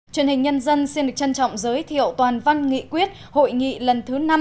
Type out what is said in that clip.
truyền hình nhân dân xin được trân trọng giới thiệu toàn văn nghị quyết hội nghị lần thứ năm